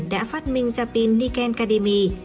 đã phát minh ra pin niken cademy